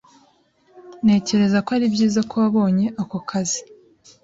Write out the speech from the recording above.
Ntekereza ko ari byiza ko wabonye ako kazi.